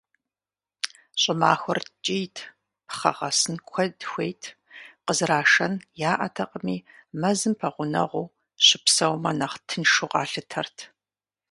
Щӏымахуэр ткӏийт, пхъэ гъэсын куэд хуейт, къызэрашэн яӏэтэкъыми, мэзым пэгъунэгъуу щыпсэумэ нэхъ тыншу къалъытэрт.